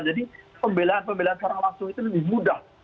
jadi pembelahan pembelahan secara langsung itu lebih mudah